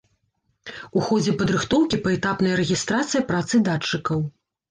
У ходзе падрыхтоўкі паэтапная рэгістрацыя працы датчыкаў.